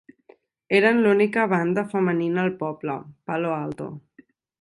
Eren l'única banda femenina al poble, Palo Alto.